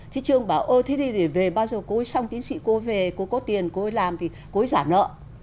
thì trường bảo ơ thế thì để về bao giờ cô ấy xong tiến sĩ cô ấy về cô ấy có tiền cô ấy làm thì cô ấy giả nợ